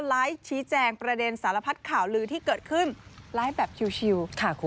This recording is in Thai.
ไลฟ์ชี้แจงประเด็นสารพัดข่าวลือที่เกิดขึ้นไลฟ์แบบชิล